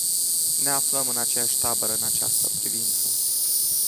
Ne aflăm în aceeași tabără în această privință.